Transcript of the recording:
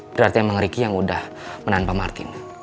berarti emang ricky yang udah menahan pak martin